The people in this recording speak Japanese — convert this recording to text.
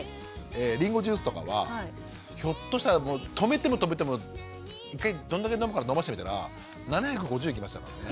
りんごジュースとかはひょっとしたら止めても止めても一回どんだけ飲むか飲ましてみたら７５０いきましたからね。